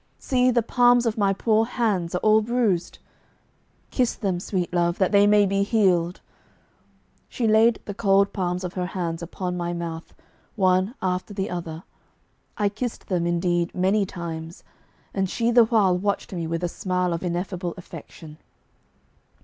See, the palms of my poor hands are all bruised! Kiss them, sweet love, that they may be healed!' She laid the cold palms of her hands upon ray mouth, one after the other. I kissed them, indeed, many times, and she the while watched me with a smile of ineffable affection.